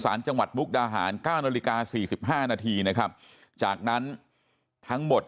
สารจังหวัดมุกดาหาร๙นาฬิกา๔๕นาทีนะครับจากนั้นทั้งหมด